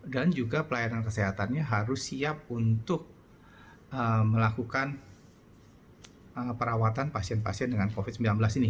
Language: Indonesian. dan juga pelayanan kesehatannya harus siap untuk melakukan perawatan pasien pasien dengan covid sembilan belas ini